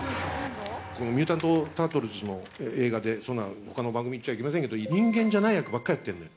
このミュータント・タートルズの映画でそんな、ほかの番組でいっちゃいけませんけど、人間じゃない役ばっかりやってるのよ。